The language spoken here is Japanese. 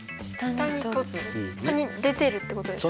下に出てるってことですか？